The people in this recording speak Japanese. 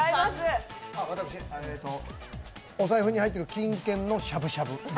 お財布に入ってる金券のしゃぶしゃぶ？